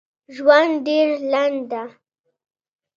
ژوند ډېر لنډ ده